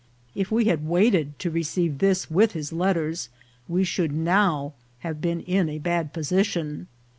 If we had waited to receive this with his letters, we should now have been in a bad position.